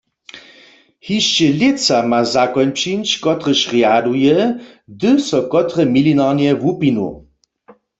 Hišće lětsa ma zakoń přińć, kotryž rjaduje, hdy so kotre milinarnje wupinu.